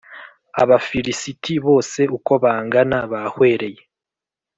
Abafilisiti bose uko bangana bahwereye :